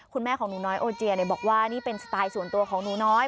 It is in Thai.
คุณแม่ของหนูน้อยโอเจียบอกว่านี่เป็นสไตล์ส่วนตัวของหนูน้อย